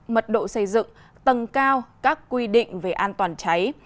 mật độ xây dựng tầng cao các quy định về an toàn cháy